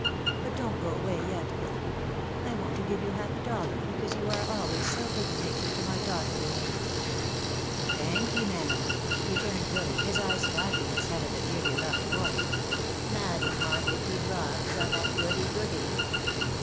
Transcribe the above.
" But don't go away yet, Billy ! I want to give you half a dollar, because you are always so good natured to my daughter and me." '" Tanky, mam," returned Billy, his eyes flashing at sight of the dearly loved coin. "Madam want itty drop som'at goody goody